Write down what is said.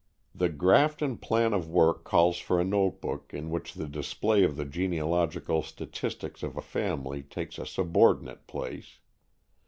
The Grafton plan of work calls for a notebook in which the display of the genealogical statistics of a family takes a subordinate place.